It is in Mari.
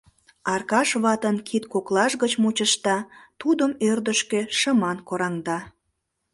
— Аркаш ватын кид коклаж гыч мучышта, тудым ӧрдыжкӧ шыман кораҥда.